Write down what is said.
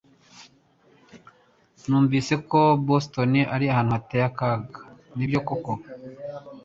Numvise ko Boston ari ahantu hateye akaga Nibyo koko